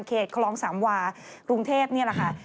คลองสามวากรุงเทพนี่แหละค่ะ